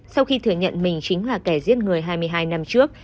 sau khi thừa nhận mình chính là kẻ giết người hai mươi hai năm trước